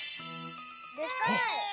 でかい！